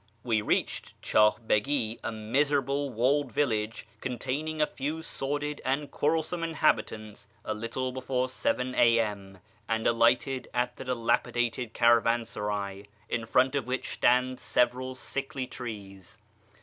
We reached Chah Begi, a miserable walled village, con taining a few sordid and quarrelsome inhabitants, a little before 7 A.M., and alighted at the dilapidated caravansaray, in front of which stand several sickly trees.